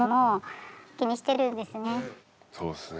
そうですね。